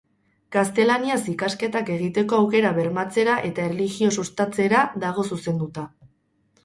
Gaztelaniaz ikasketak egiteko aukera bermatzera eta erlijio sustatzera dago zuzenduta.